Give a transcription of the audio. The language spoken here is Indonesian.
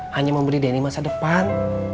hanya memberi dni masa depan